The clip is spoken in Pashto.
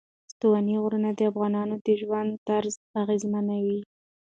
ستوني غرونه د افغانانو د ژوند طرز اغېزمنوي.